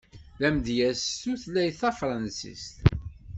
D amedyaz s tutlayt tafransist.